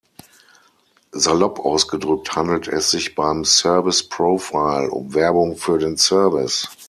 Salopp ausgedrückt handelt es sich beim Service Profile um Werbung für den Service.